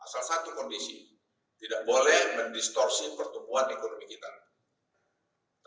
salah satu kondisi tidak boleh mendistorsi pertumbuhan ekonomi kita